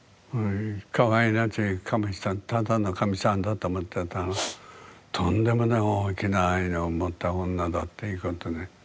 かわいらしい髪したただのかみさんだと思ったらとんでもない大きな愛をもった女だっていうことで。